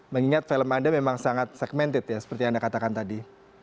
mengingat film anda memang sangat segmented ya seperti yang anda katakan tadi